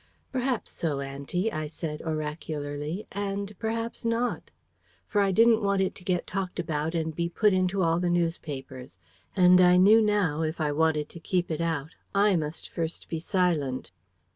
"Perhaps so, Auntie," I said oracularly: "and perhaps not." For I didn't want it to get talked about and be put into all the newspapers. And I knew now if I wanted to keep it out, I must first be silent.